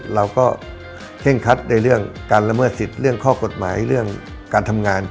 เราก็เคร่งคัดในเรื่องการละเมิดสิทธิ์เรื่องข้อกฎหมายเรื่องการทำงาน